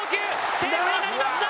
セーフになりました！